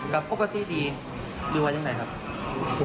กับปกติดีหรือว่าอย่างไรครับ